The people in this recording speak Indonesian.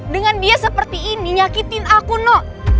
dengan dia seperti ini nyakitin aku nok